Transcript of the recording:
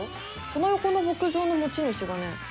その横の牧場の持ち主がね